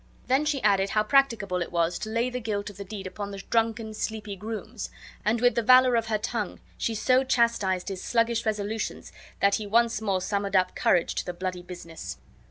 Then she added, how practicable it was to lay the guilt of the deed upon the drunken, sleepy grooms. And with the valor of her tongue she so chastised his sluggish resolutions that he once more summoned up courage to the bloody business.